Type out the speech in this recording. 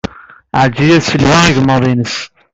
Ɛelǧiya tesselha igmaḍ-nnes.